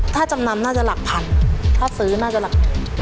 ถ้าจำนำน่าจะหลักพันถ้าซื้อน่าจะหลัก